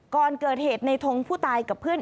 ก่อนเกิดเหตุในทงผู้ตายกับเพื่อน